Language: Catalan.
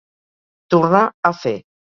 Tornar a fer.